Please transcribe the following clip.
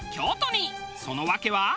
その訳は。